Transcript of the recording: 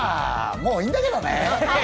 もう、いいんだけどね。